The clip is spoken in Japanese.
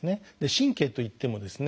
神経といってもですね